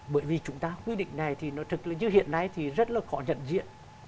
bởi vì chúng ta quy định này thì nó thực hiện nay thì rất là khó nhận diện